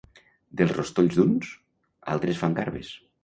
Dels rostolls d'uns, altres fan garbes.